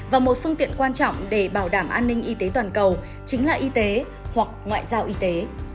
và một phương tiện quan trọng để bảo đảm an ninh y tế toàn cầu chính là y tế hoặc ngoại giao y tế